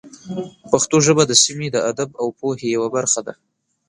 پښتو ژبه د سیمې د ادب او پوهې یوه برخه ده.